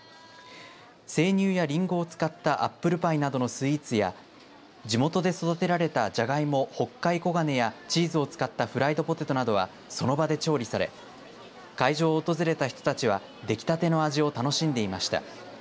生乳やりんごを使ったアップルパイなどのスイーツや地元で育てられたじゃがいも北海黄金やチーズを使ったフライドポテトなどはその場で調理され会場を訪れた人たちはできたての味を楽しんでいました。